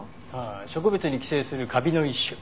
植物に寄生するカビの一種。